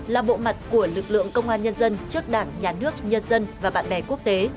là bộ mặt của lực lượng công an nhân dân trước đảng nhà nước nhân dân và bạn bè quốc tế